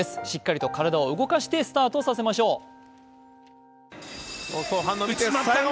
しっかりと体を動かしてスタートしましょう。